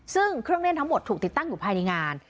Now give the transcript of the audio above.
ซึ่งเครื่องเล่นทั้งหมดถูกติดตั้งอยู่ภายในงาน